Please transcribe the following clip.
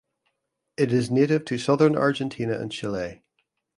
It is native to southern Argentina and Chile.